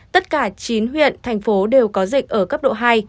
tất cả chín huyện thành phố đều có dịch ở cấp độ hai